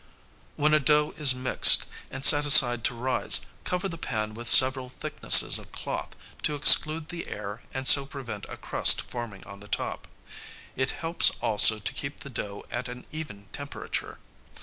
] When a dough is mixed and set aside to rise, cover the pan with several thicknesses of cloth to exclude the air and so prevent a crust forming on the top. It helps also to keep the dough at an even temperature.